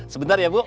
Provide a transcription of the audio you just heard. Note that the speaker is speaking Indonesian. sebentar ya bu